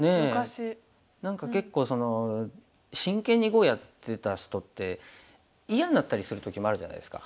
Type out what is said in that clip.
何か結構真剣に碁をやってた人って嫌になったりする時もあるじゃないですか。